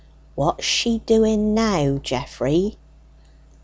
"What's she doing now, Geoffrey?"